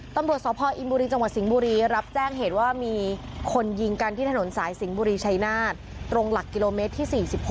ตำรวจสพออินบุรีจังหวัดสิงห์บุรีรับแจ้งเหตุว่ามีคนยิงกันที่ถนนสายสิงห์บุรีชัยนาศตรงหลักกิโลเมตรที่๔๖